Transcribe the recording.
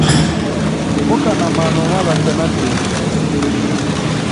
Kokana mano malacha nandighi.